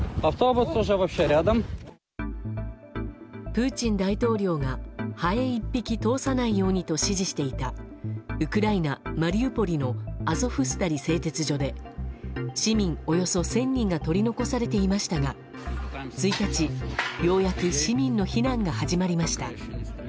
プーチン大統領がハエ１匹通さないようにと指示していたウクライナ・マリウポリのアゾフスタリ製鉄所で市民およそ１０００人が取り残されていましたが１日、ようやく市民の避難が始まりました。